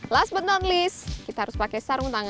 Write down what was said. last but not list kita harus pakai sarung tangan